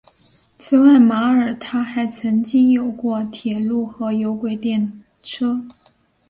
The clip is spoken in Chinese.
此外马尔他还曾经有过铁路和有轨电车。